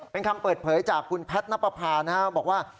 เป็นคำเปิดเผยจากคุณพัฒนปภานะครับบอกว่า